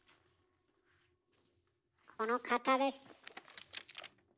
この方です。